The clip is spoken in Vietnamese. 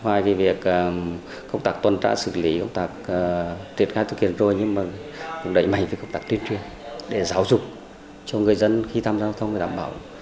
ngoài việc công tác tuần trả xử lý công tác tuyệt khai thực hiện rồi nhưng cũng đẩy mạnh với công tác tuyên truyền để giáo dục cho người dân khi tham gia giao thông để đảm bảo